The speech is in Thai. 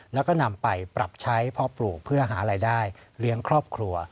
แล้วก็นำไปปรับใช้พ่อปลูกเพื่อหารายได้เลี้ยงครอบครัว